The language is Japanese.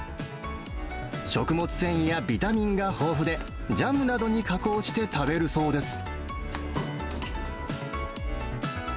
食物繊維やビタミンが豊富で、ジャムなどに加工して食べるそうです。